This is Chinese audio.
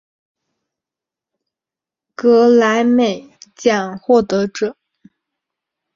格莱美奖获得者。